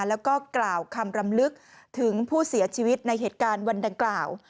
แล้วก็กล่าวคำรำลึกถึงผู้เสียชีวิตในเหตุการณ์วันดังกล่าว